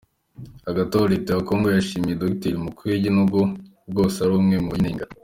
Hagati aho, leta ya Kongo yashimiye Dogiteri Mukwege, nubwo bwose ari umwe mu bayinenga.